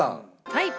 はい。